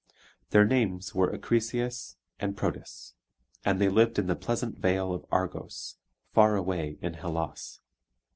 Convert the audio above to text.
Their names were Acrisius and Proetus, and they lived in the pleasant vale of Argos, far away in Hellas.